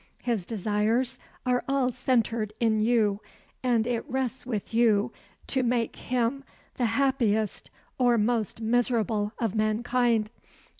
His desires are all centred in you, and it rests with you to make him the happiest or most miserable of mankind.